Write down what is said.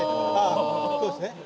こうですね。